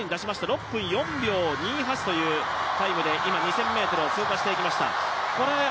６分４秒２８というタイムで、今、２０００ｍを通過していきました。